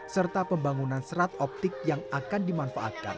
serta pembangunan serat optik yang akan dimanfaatkan